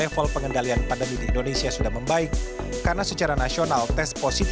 jadi lebih bersifat pasif